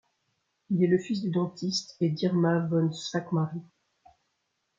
Il est le fils du dentiste et d'Irma von Szakmáry.